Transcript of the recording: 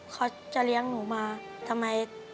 เขาจะเลี้ยงหนูมาทำไม